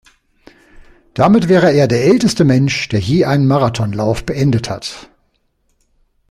Damit wäre er der älteste Mensch, der je einen Marathonlauf beendet hat.